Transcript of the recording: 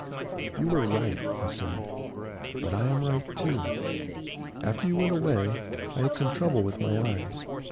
"You are right," he said. "But I am right, too. After you went away I had some trouble with my eyes.